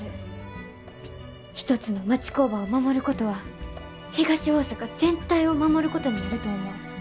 一つの町工場を守ることは東大阪全体を守ることになると思う。